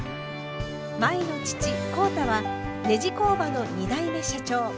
舞の父浩太はネジ工場の２代目社長。